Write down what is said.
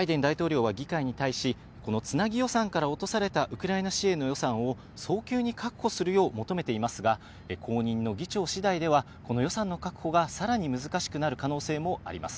バイデン大統領は議会に対し、このつなぎ予算から落とされたウクライナ支援の予算を早急に確保するよう求めていますが後任の議長次第では、この予算の確保が、さらに難しくなる可能性もあります。